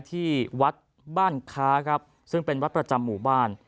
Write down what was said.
ที่วัดบ้านค้าครับซึ่งเป็นวัดประจำหมู่บ้าน